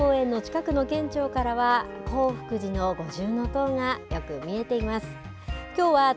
奈良公園の近くの県庁からは興福寺の五重塔がよく見えています。